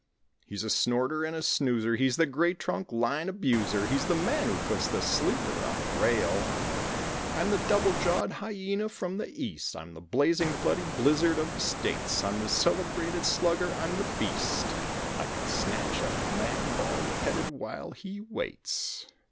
He's a snorter and a snoozer. He's the great trunk line abuser. He's the man who puts the sleeper on the rail. I'm the double jawed hyena from the East. I'm the blazing, bloody blizzard of the States. I'm the celebrated slugger; I'm the Beast. I can snatch a man bald headed while he waits.